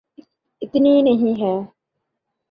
اتنی نہیں ہے۔